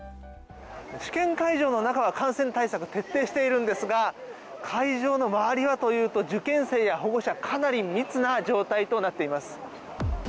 試験会場の中は感染対策、徹底しているんですが会場の周りはというと受験生や保護者かなり密な状態となっています。